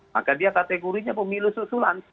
maka dia kategorinya pemilu susulan